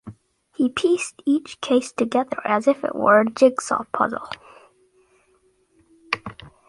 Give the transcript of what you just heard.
He pieced each case together as if it were a jigsaw puzzle.